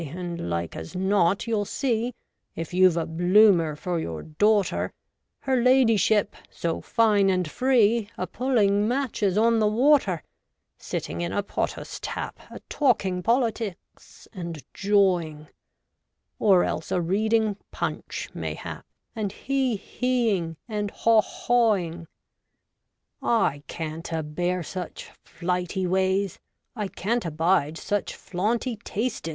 and like as not, you'll see, if you've a Bloomer for your daughter, Her ladyship, so fine and free, a pulling matches on the water ; Sitting in a pottus tap, a talking politics and jawing ; Or else a reading Punch, mayhap, and hee heeing and haw hawing. 38 REVOLTED WOMAN. I can't a bear such flighty ways — I can't abide such flaunty tast«.